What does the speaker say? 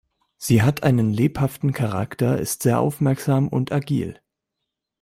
Sie hat einen lebhaften Charakter, ist sehr aufmerksam und agil.